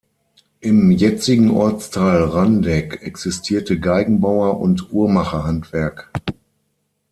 Im jetzigen Ortsteil Randeck existierte Geigenbauer- und Uhrmacherhandwerk.